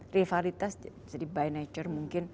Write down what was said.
rivalitas jadi by nature mungkin